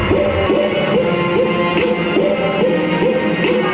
ว้าว